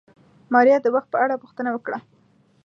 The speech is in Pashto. ماريا د وخت په اړه پوښتنه وکړه.